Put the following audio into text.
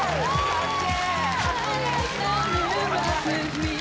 ＯＫ・